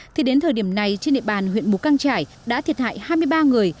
thì đến thời điểm này trên địa bàn huyện mù căng trải đã thiệt hại hai mươi ba người